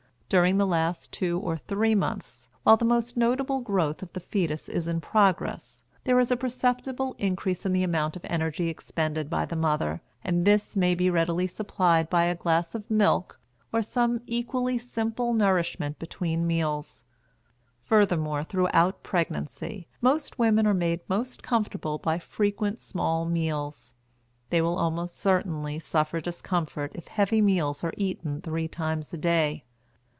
During the last two or three months, while the most notable growth of the fetus is in progress, there is a perceptible increase in the amount of energy expended by the mother, and this may be readily supplied by a glass of milk or some equally simple nourishment between meals. Furthermore, throughout pregnancy, most women are made most comfortable by frequent small meals; they will almost certainly suffer discomfort if heavy meals are eaten three times a day.